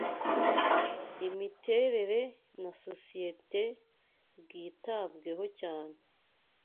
Imiterere na Sosiyete bwitabweho cyane